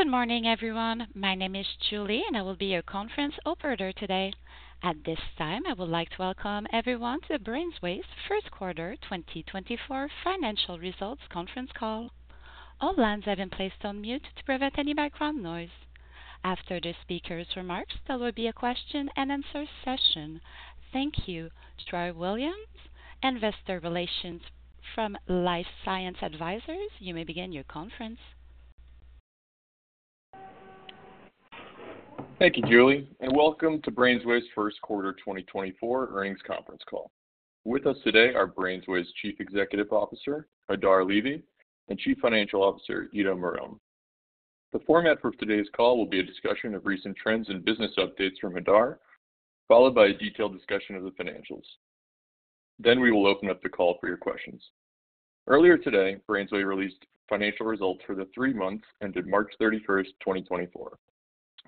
Good morning, everyone. My name is Julie, and I will be your conference operator today. At this time, I would like to welcome everyone to BrainsWay's first quarter 2024 financial results conference call. All lines have been placed on mute to prevent any background noise. After the speaker's remarks, there will be a question-and-answer session. Thank you. Troy Williams, Investor Relations from LifeSci Advisors, you may begin your conference. Thank you, Julie, and welcome to BrainsWay's first quarter 2024 earnings conference call. With us today are BrainsWay's Chief Executive Officer Hadar Levy and Chief Financial Officer Ido Marom. The format for today's call will be a discussion of recent trends and business updates from Hadar, followed by a detailed discussion of the financials. Then we will open up the call for your questions. Earlier today, BrainsWay released financial results for the three months ended March 31st, 2024.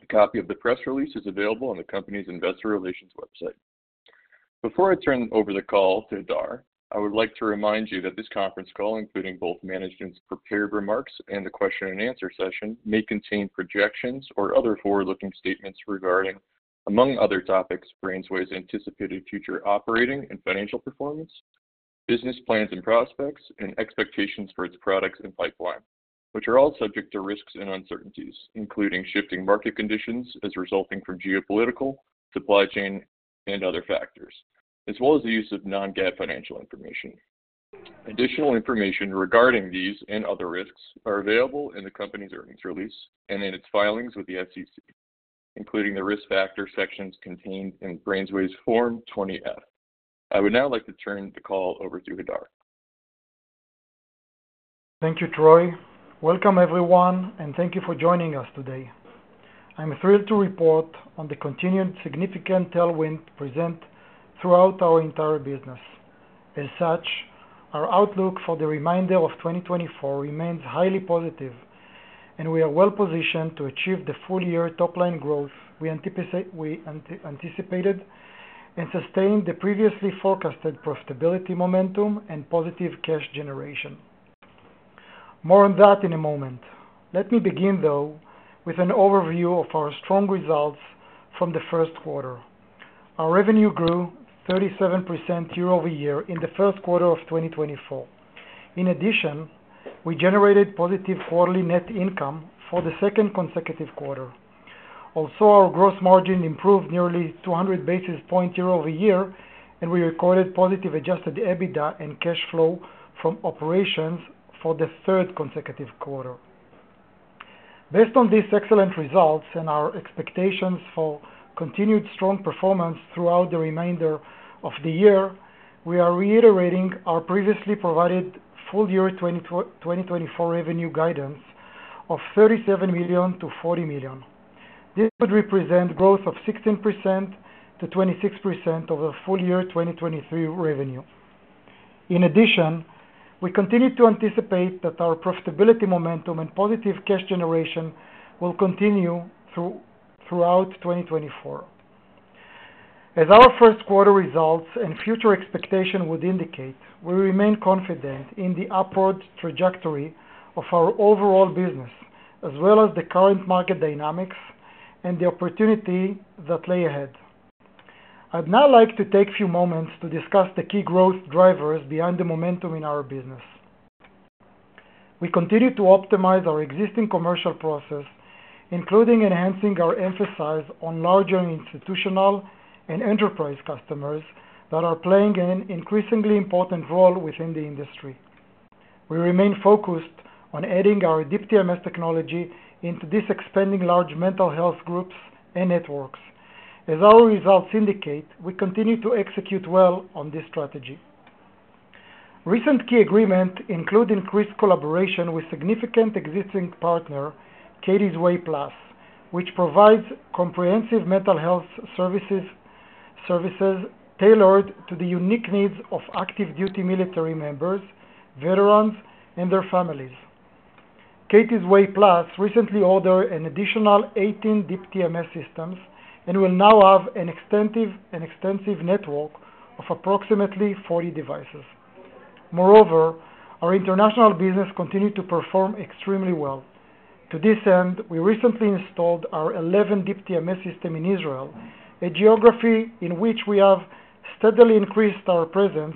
A copy of the press release is available on the company's Investor Relations website. Before I turn over the call to Hadar, I would like to remind you that this conference call, including both management's prepared remarks and the question-and-answer session, may contain projections or other forward-looking statements regarding, among other topics, BrainsWay's anticipated future operating and financial performance, business plans and prospects, and expectations for its products and pipeline, which are all subject to risks and uncertainties, including shifting market conditions as resulting from geopolitical, supply chain, and other factors, as well as the use of non-GAAP financial information. Additional information regarding these and other risks is available in the company's earnings release and in its filings with the SEC, including the risk factor sections contained in BrainsWay's Form 20-F. I would now like to turn the call over to Hadar. Thank you, Troy. Welcome, everyone, and thank you for joining us today. I'm thrilled to report on the continued significant tailwind present throughout our entire business. As such, our outlook for the remainder of 2024 remains highly positive, and we are well positioned to achieve the full-year top-line growth we anticipated and sustain the previously forecasted profitability momentum and positive cash generation. More on that in a moment. Let me begin, though, with an overview of our strong results from the first quarter. Our revenue grew 37% year-over-year in the first quarter of 2024. In addition, we generated positive quarterly net income for the second consecutive quarter. Also, our gross margin improved nearly 200 basis points year-over-year, and we recorded positive Adjusted EBITDA and cash flow from operations for the third consecutive quarter. Based on these excellent results and our expectations for continued strong performance throughout the remainder of the year, we are reiterating our previously provided full-year 2024 revenue guidance of $37 million-$40 million. This would represent growth of 16%-26% of the full-year 2023 revenue. In addition, we continue to anticipate that our profitability momentum and positive cash generation will continue throughout 2024. As our first quarter results and future expectations would indicate, we remain confident in the upward trajectory of our overall business as well as the current market dynamics and the opportunity that lay ahead. I'd now like to take a few moments to discuss the key growth drivers behind the momentum in our business. We continue to optimize our existing commercial process, including enhancing our emphasis on larger institutional and enterprise customers that are playing an increasingly important role within the industry. We remain focused on adding our Deep TMS technology into this expanding large mental health groups and networks. As our results indicate, we continue to execute well on this strategy. Recent key agreements include increased collaboration with significant existing partner Katie's Way Plus, which provides comprehensive mental health services tailored to the unique needs of active-duty military members, veterans, and their families. Katie's Way Plus recently ordered an additional 18 Deep TMS systems and will now have an extensive network of approximately 40 devices. Moreover, our international business continues to perform extremely well. To this end, we recently installed our 11 Deep TMS systems in Israel, a geography in which we have steadily increased our presence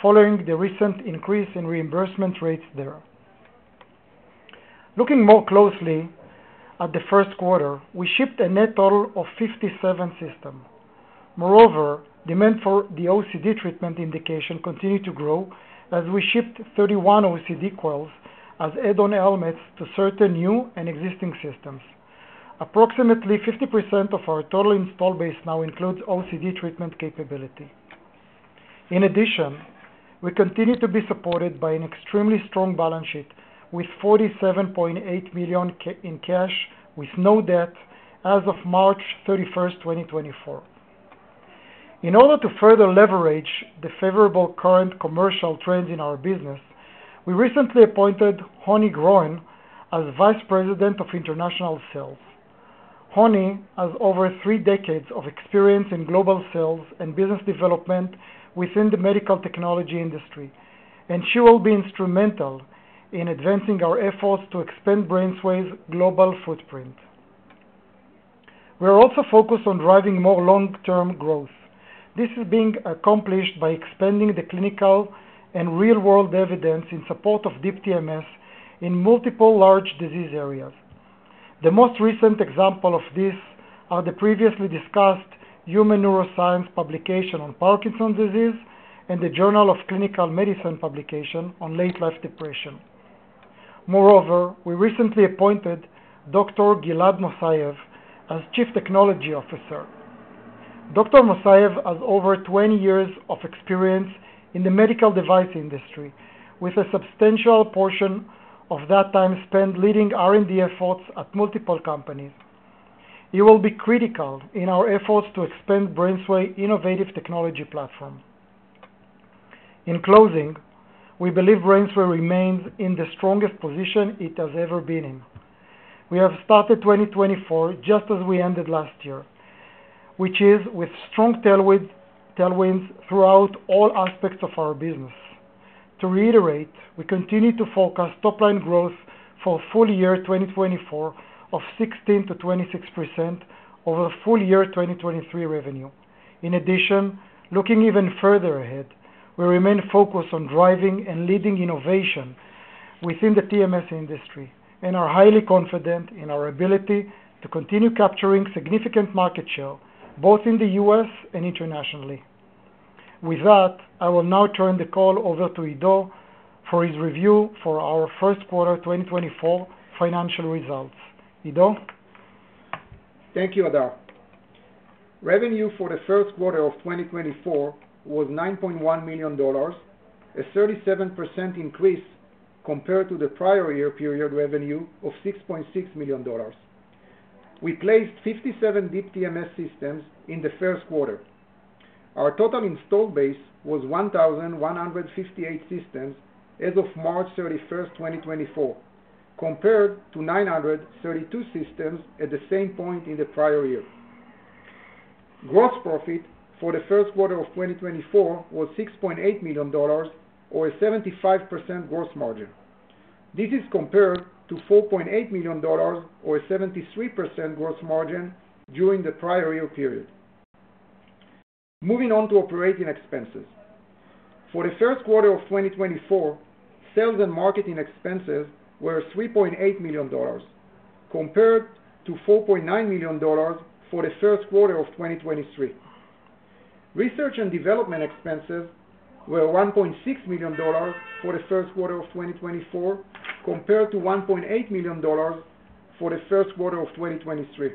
following the recent increase in reimbursement rates there. Looking more closely at the first quarter, we shipped a net total of 57 systems. Moreover, demand for the OCD treatment indication continued to grow as we shipped 31 OCD coils as add-on helmets to certain new and existing systems. Approximately 50% of our total install base now includes OCD treatment capability. In addition, we continue to be supported by an extremely strong balance sheet with $47.8 million in cash with no debt as of March 31st, 2024. In order to further leverage the favorable current commercial trends in our business, we recently appointed Honi Gonen as Vice President of International Sales. Honi has over three decades of experience in global sales and business development within the medical technology industry, and she will be instrumental in advancing our efforts to expand BrainsWay's global footprint. We are also focused on driving more long-term growth. This is being accomplished by expanding the clinical and real-world evidence in support of Deep TMS in multiple large disease areas. The most recent example of this is the previously discussed Human Neuroscience publication on Parkinson's disease and the Journal of Clinical Medicine publication on late-life depression. Moreover, we recently appointed Dr. Gilead Moiseyev as Chief Technology Officer. Dr. Moiseyev has over 20 years of experience in the medical device industry, with a substantial portion of that time spent leading R&D efforts at multiple companies. He will be critical in our efforts to expand BrainsWay's innovative technology platform. In closing, we believe BrainsWay remains in the strongest position it has ever been in. We have started 2024 just as we ended last year, which is with strong tailwinds throughout all aspects of our business. To reiterate, we continue to focus top-line growth for full-year 2024 of 16%-26% over full-year 2023 revenue. In addition, looking even further ahead, we remain focused on driving and leading innovation within the TMS industry and are highly confident in our ability to continue capturing significant market share both in the U.S. and internationally. With that, I will now turn the call over to Ido for his review for our first quarter 2024 financial results. Ido? Thank you, Hadar. Revenue for the first quarter of 2024 was $9.1 million, a 37% increase compared to the prior-year period revenue of $6.6 million. We placed 57 Deep TMS systems in the first quarter. Our total installed base was 1,158 systems as of March 31st, 2024, compared to 932 systems at the same point in the prior year. Gross profit for the first quarter of 2024 was $6.8 million or a 75% gross margin. This is compared to $4.8 million or a 73% gross margin during the prior-year period. Moving on to operating expenses. For the first quarter of 2024, sales and marketing expenses were $3.8 million compared to $4.9 million for the first quarter of 2023. Research and development expenses were $1.6 million for the first quarter of 2024 compared to $1.8 million for the first quarter of 2023.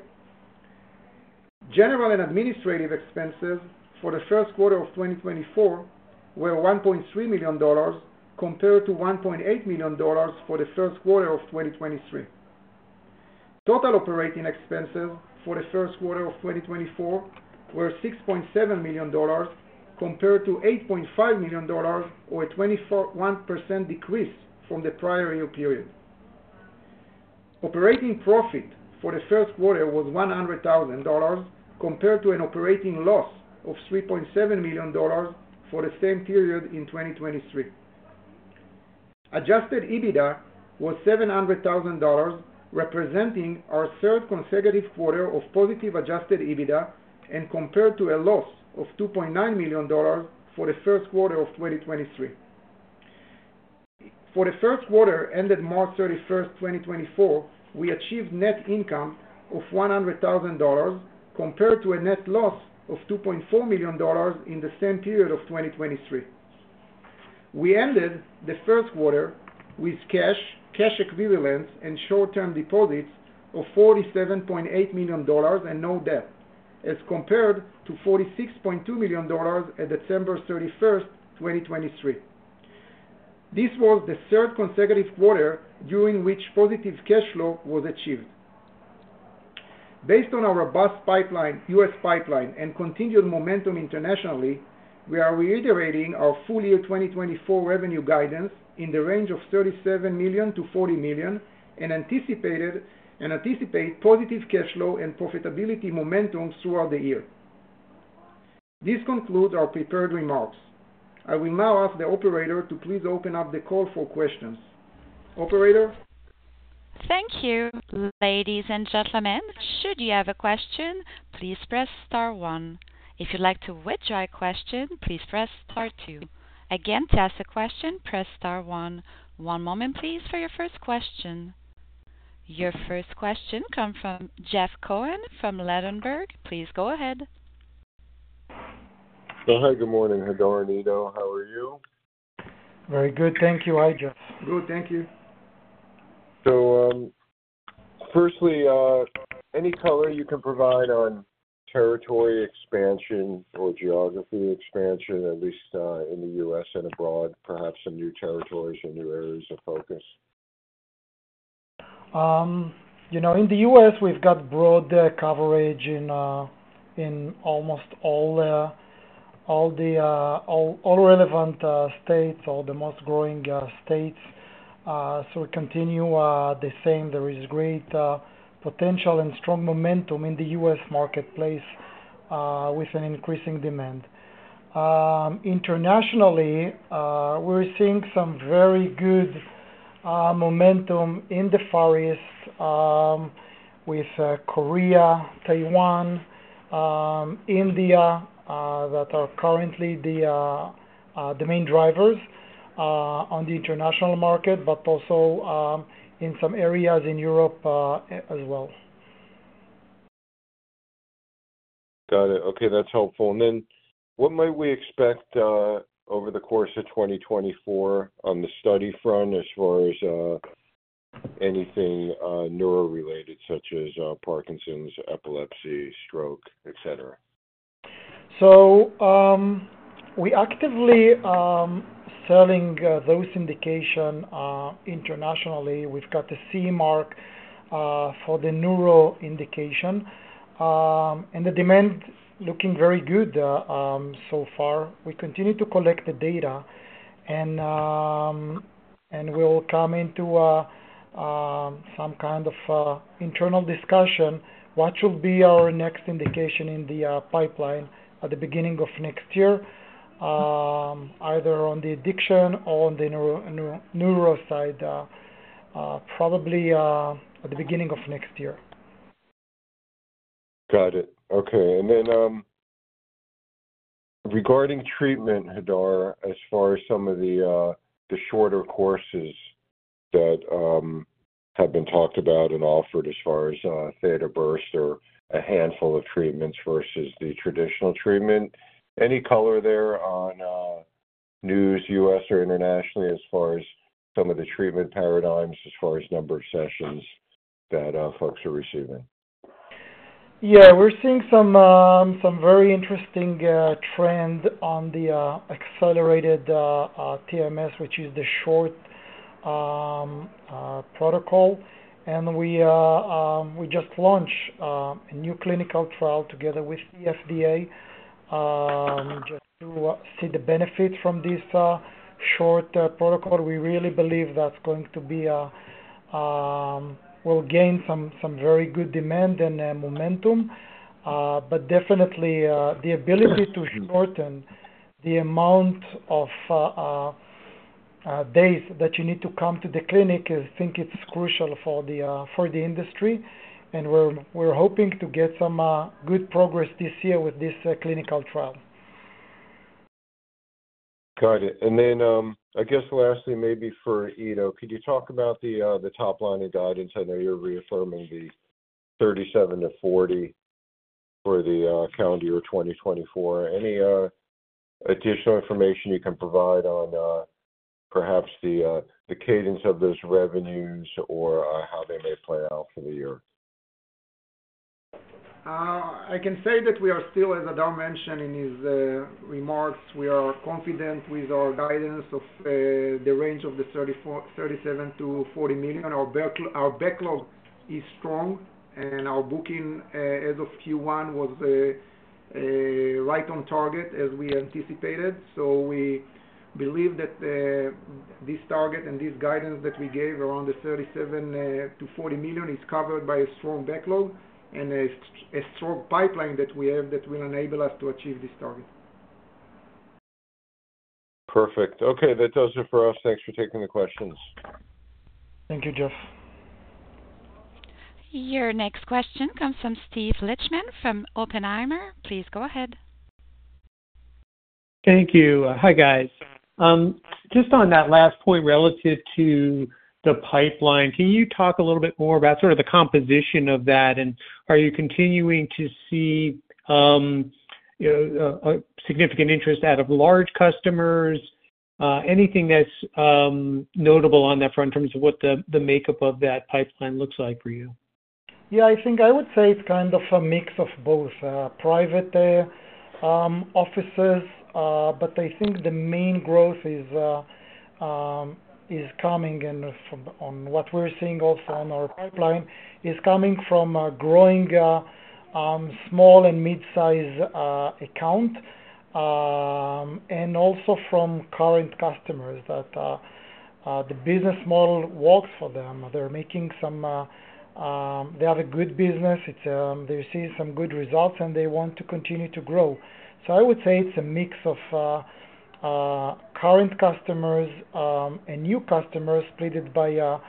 General and administrative expenses for the first quarter of 2024 were $1.3 million compared to $1.8 million for the first quarter of 2023. Total operating expenses for the first quarter of 2024 were $6.7 million compared to $8.5 million or a 21% decrease from the prior-year period. Operating profit for the first quarter was $100,000 compared to an operating loss of $3.7 million for the same period in 2023. Adjusted EBITDA was $700,000, representing our third consecutive quarter of positive adjusted EBITDA and compared to a loss of $2.9 million for the first quarter of 2023. For the first quarter ended March 31st, 2024, we achieved net income of $100,000 compared to a net loss of $2.4 million in the same period of 2023. We ended the first quarter with cash, cash equivalents, and short-term deposits of $47.8 million and no debt as compared to $46.2 million on December 31st, 2023. This was the third consecutive quarter during which positive cash flow was achieved. Based on our robust U.S. pipeline and continued momentum internationally, we are reiterating our full-year 2024 revenue guidance in the range of $37 million-$40 million and anticipate positive cash flow and profitability momentum throughout the year. This concludes our prepared remarks. I will now ask the operator to please open up the call for questions. Operator? Thank you. Ladies and gentlemen, should you have a question, please press star 1. If you'd like to withdraw a question, please press star 2. Again, to ask a question, press star 1. One moment, please, for your first question. Your first question comes from Jeff Cohen from Ladenburg Thalmann. Please go ahead. Well, hi. Good morning, Hadar and Ido. How are you? Very good. Thank you, Jeff. Good. Thank you. So firstly, any color you can provide on territory expansion or geography expansion, at least in the U.S. and abroad, perhaps some new territories or new areas of focus? In the U.S., we've got broad coverage in almost all the relevant states or the most growing states. So we continue the same. There is great potential and strong momentum in the U.S. marketplace with an increasing demand. Internationally, we're seeing some very good momentum in the Far East with Korea, Taiwan, India that are currently the main drivers on the international market, but also in some areas in Europe as well. Got it. Okay. That's helpful. And then what might we expect over the course of 2024 on the study front as far as anything neuro-related such as Parkinson's, epilepsy, stroke, etc.? So we're actively selling those indications internationally. We've got the CE Mark for the neuro indication, and the demand is looking very good so far. We continue to collect the data, and we'll come into some kind of internal discussion on what should be our next indication in the pipeline at the beginning of next year, either on the addiction or on the neuro side, probably at the beginning of next year. Got it. Okay. And then regarding treatment, Hadar, as far as some of the shorter courses that have been talked about and offered as far as Theta Burst or a handful of treatments versus the traditional treatment, any color there on news, U.S. or internationally, as far as some of the treatment paradigms, as far as number of sessions that folks are receiving? Yeah. We're seeing some very interesting trends on the Accelerated TMS, which is the short protocol. And we just launched a new clinical trial together with the FDA just to see the benefits from this short protocol. We really believe that's going to be we'll gain some very good demand and momentum. But definitely, the ability to shorten the amount of days that you need to come to the clinic is, I think, crucial for the industry. And we're hoping to get some good progress this year with this clinical trial. Got it. And then I guess lastly, maybe for Ido, could you talk about the top-line of guidance? I know you're reaffirming the $37-$40 for the calendar year 2024. Any additional information you can provide on perhaps the cadence of those revenues or how they may play out for the year? I can say that we are still, as Hadar mentioned in his remarks, we are confident with our guidance of the range of the $37 million-$40 million. Our backlog is strong, and our booking as of Q1 was right on target as we anticipated. So we believe that this target and this guidance that we gave around the $37 million-$40 million is covered by a strong backlog and a strong pipeline that we have that will enable us to achieve this target. Perfect. Okay. That does it for us. Thanks for taking the questions. Thank you, Jeff. Your next question comes from Steve Lichtman from Oppenheimer. Please go ahead. Thank you. Hi, guys. Just on that last point relative to the pipeline, can you talk a little bit more about sort of the composition of that? And are you continuing to see a significant interest out of large customers? Anything that's notable on that front in terms of what the makeup of that pipeline looks like for you? Yeah. I think I would say it's kind of a mix of both private offices. But I think the main growth is coming, and on what we're seeing also on our pipeline, is coming from a growing small and midsize account and also from current customers that the business model works for them. They're making some; they have a good business. They're seeing some good results, and they want to continue to grow. So I would say it's a mix of current customers and new customers split by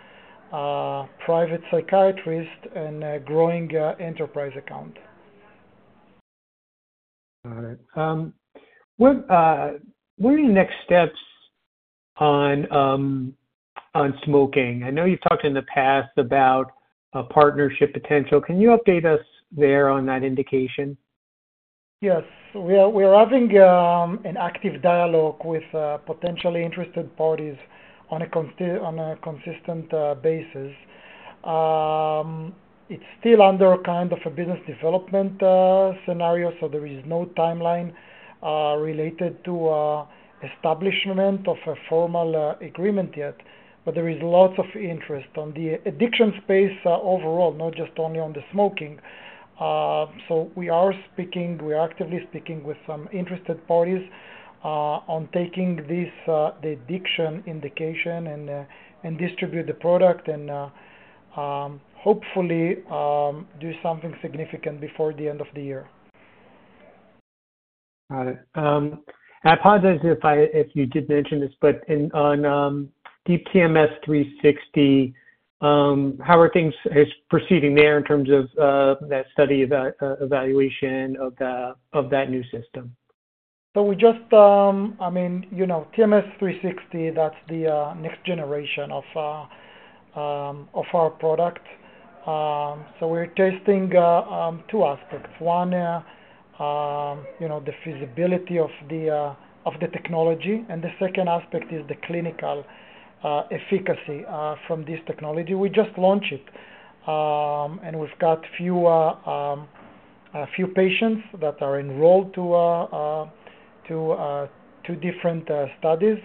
private psychiatrists and a growing enterprise account. Got it. What are your next steps on smoking? I know you've talked in the past about a partnership potential. Can you update us there on that indication? Yes. We are having an active dialogue with potentially interested parties on a consistent basis. It's still under kind of a business development scenario, so there is no timeline related to establishment of a formal agreement yet. But there is lots of interest on the addiction space overall, not just only on the smoking. So we are actively speaking with some interested parties on taking the addiction indication and distribute the product and hopefully do something significant before the end of the year. Got it. And I apologize if you did mention this, but on Deep TMS 360, how are things proceeding there in terms of that study evaluation of that new system? So, I mean, TMS 360, that's the next generation of our product. We're testing two aspects. One, the feasibility of the technology. The second aspect is the clinical efficacy from this technology. We just launched it, and we've got a few patients that are enrolled to different studies.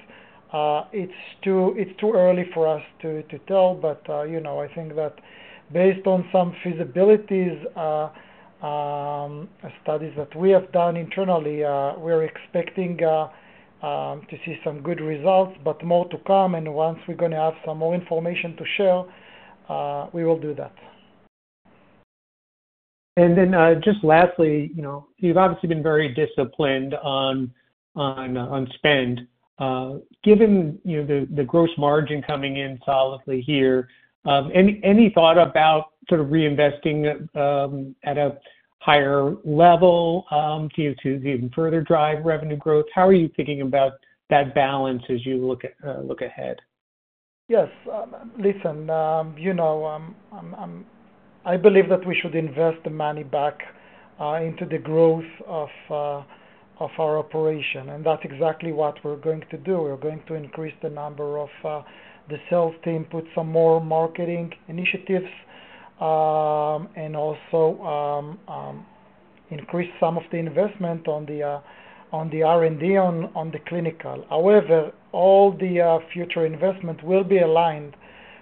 It's too early for us to tell, but I think that based on some feasibility studies that we have done internally, we're expecting to see some good results, but more to come. Once we're going to have some more information to share, we will do that. And then just lastly, you've obviously been very disciplined on spend. Given the gross margin coming in solidly here, any thought about sort of reinvesting at a higher level to even further drive revenue growth? How are you thinking about that balance as you look ahead? Yes. Listen, I believe that we should invest the money back into the growth of our operation. That's exactly what we're going to do. We're going to increase the number of the sales team, put some more marketing initiatives, and also increase some of the investment on the R&D on the clinical. However, all the future investment will be aligned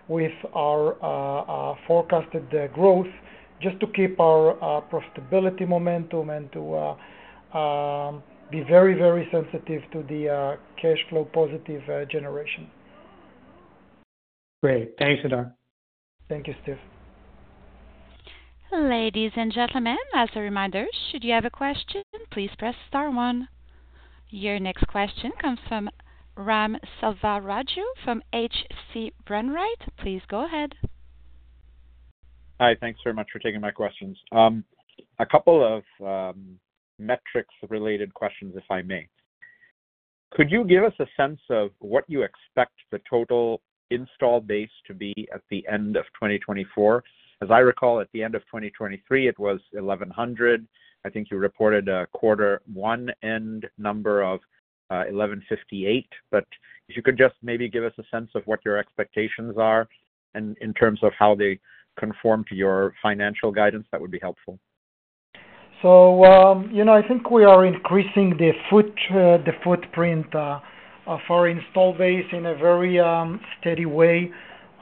with our forecasted growth just to keep our profitability momentum and to be very, very sensitive to the cash flow positive generation. Great. Thanks, Hadar. Thank you, Steve. Ladies and gentlemen, as a reminder, should you have a question, please press star 1. Your next question comes from Ram Selvaraju from H.C. Wainwright. Please go ahead. Hi. Thanks very much for taking my questions. A couple of metrics-related questions, if I may. Could you give us a sense of what you expect the total install base to be at the end of 2024? As I recall, at the end of 2023, it was 1,100. I think you reported a quarter one end number of 1,158. But if you could just maybe give us a sense of what your expectations are in terms of how they conform to your financial guidance, that would be helpful. I think we are increasing the footprint of our install base in a very steady way,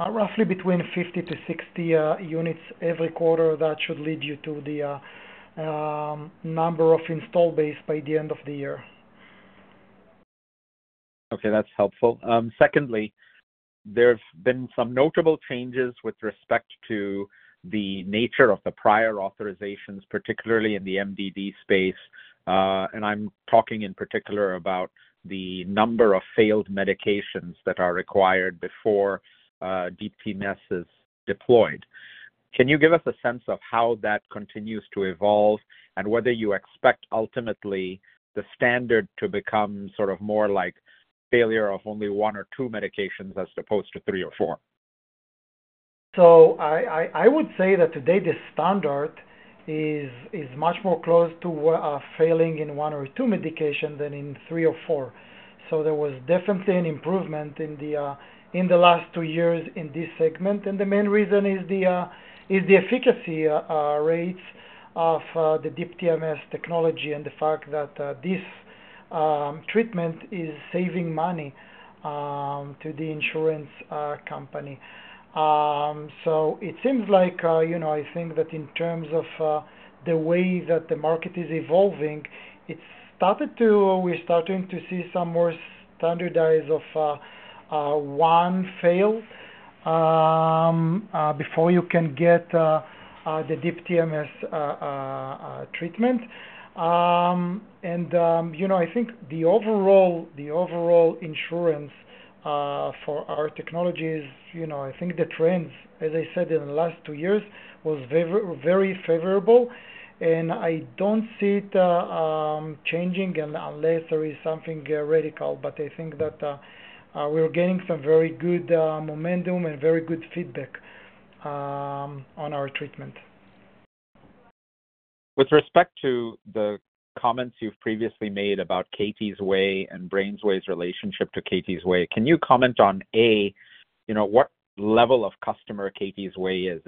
roughly between 50-60 units every quarter. That should lead you to the number of install base by the end of the year. Okay. That's helpful. Secondly, there have been some notable changes with respect to the nature of the prior authorizations, particularly in the MDD space. And I'm talking in particular about the number of failed medications that are required before Deep TMS is deployed. Can you give us a sense of how that continues to evolve and whether you expect ultimately the standard to become sort of more like failure of only one or two medications as opposed to three or four? So I would say that today, the standard is much more close to failing in one or two medications than in three or four. So there was definitely an improvement in the last two years in this segment. And the main reason is the efficacy rates of the Deep TMS technology and the fact that this treatment is saving money to the insurance company. So it seems like I think that in terms of the way that the market is evolving, we're starting to see some more standardized of one fail before you can get the Deep TMS treatment. And I think the overall insurance for our technologies, I think the trends, as I said, in the last two years was very favorable. And I don't see it changing unless there is something radical. But I think that we're getting some very good momentum and very good feedback on our treatment. With respect to the comments you've previously made about Katie's Way and BrainsWay's relationship to Katie's Way, can you comment on, A, what level of customer Katie's Way is?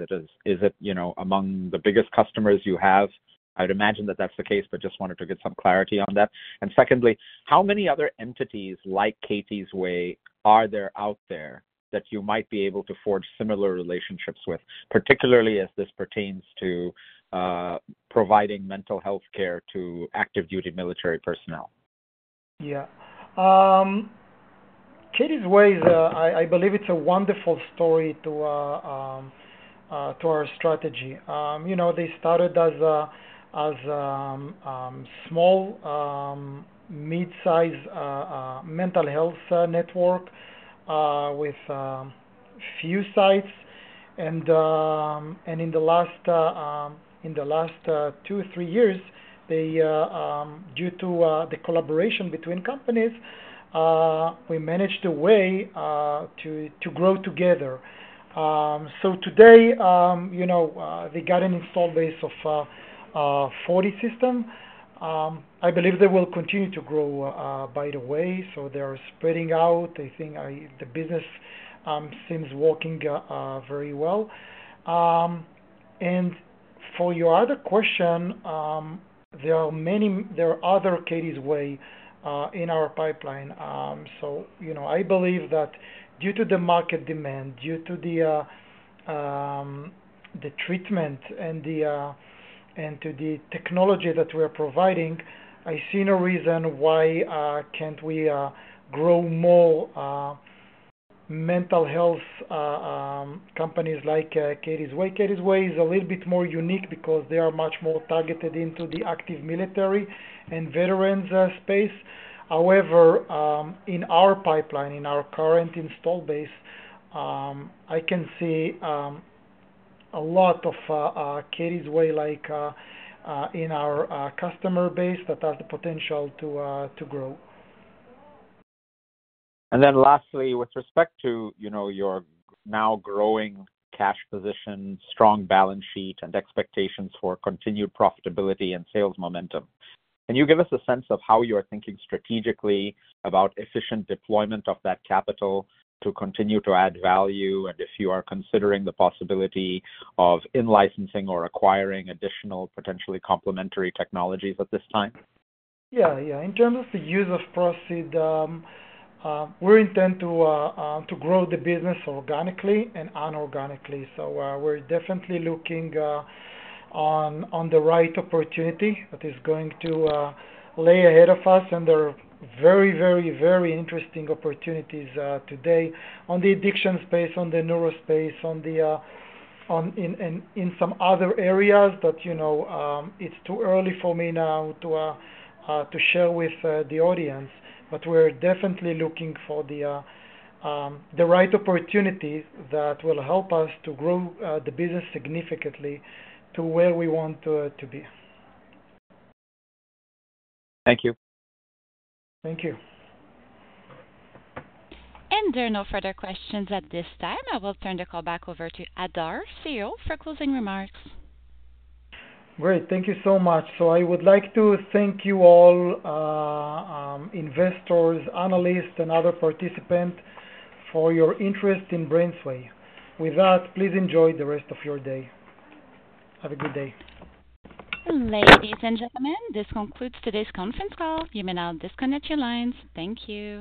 Is it among the biggest customers you have? I would imagine that that's the case, but just wanted to get some clarity on that. And secondly, how many other entities like Katie's Way are there out there that you might be able to forge similar relationships with, particularly as this pertains to providing mental healthcare to active-duty military personnel? Yeah. Katie's Way is, I believe, a wonderful story to our strategy. They started as a small, midsize mental health network with few sites. In the last 2, 3 years, due to the collaboration between companies, we managed a way to grow together. So today, they got an install base of 40 systems. I believe they will continue to grow by the way. So they are spreading out. I think the business seems working very well. And for your other question, there are other Katie's Way in our pipeline. So I believe that due to the market demand, due to the treatment, and to the technology that we are providing, I see no reason why can't we grow more mental health companies like Katie's Way. Katie's Way is a little bit more unique because they are much more targeted into the active military and veterans space. However, in our pipeline, in our current install base, I can see a lot of Katie's Way in our customer base that has the potential to grow. And then lastly, with respect to your now-growing cash position, strong balance sheet, and expectations for continued profitability and sales momentum, can you give us a sense of how you are thinking strategically about efficient deployment of that capital to continue to add value and if you are considering the possibility of in-licensing or acquiring additional, potentially complementary technologies at this time? Yeah. Yeah. In terms of the use of proceeds, we intend to grow the business organically and inorganically. So we're definitely looking on the right opportunity that is going to lie ahead of us. And there are very, very, very interesting opportunities today on the addiction space, on the neuro space, and in some other areas that it's too early for me now to share with the audience. But we're definitely looking for the right opportunities that will help us to grow the business significantly to where we want to be. Thank you. Thank you. There are no further questions at this time. I will turn the call back over to Hadar, CEO, for closing remarks. Great. Thank you so much. So I would like to thank you all, investors, analysts, and other participants, for your interest in BrainsWay. With that, please enjoy the rest of your day. Have a good day. Ladies and gentlemen, this concludes today's conference call. You may now disconnect your lines. Thank you.